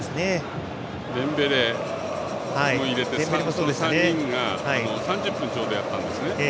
デンベレも入れて３人が３０分ちょうどやったんですね。